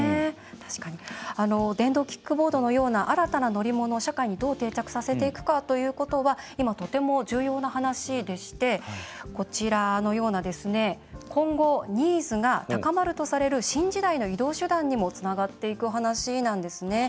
電動キックボードのような新たな乗り物社会にどう定着させていくかということは今とても重要な話でしてこちらのような今後ニーズが高まるとされる新時代の移動手段にもつながっていく話なんですね。